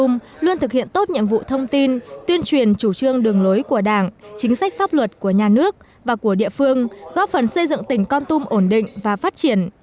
hội nhà báo tỉnh con tum luôn thực hiện tốt nhiệm vụ thông tin tuyên truyền chủ trương đường lối của đảng chính sách pháp luật của nhà nước và của địa phương góp phần xây dựng tỉnh con tum ổn định và phát triển